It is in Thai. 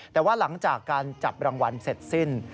แต่ว่าหลังจากการจับรางวัลเสร็จสิ้น